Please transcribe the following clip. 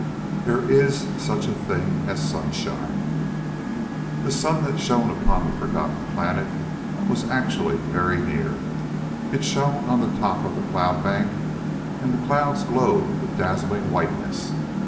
THERE IS SUCH A THING AS SUNSHINE_ The sun that shone upon the forgotten planet was actually very near. It shone on the top of the cloud bank, and the clouds glowed with dazzling whiteness.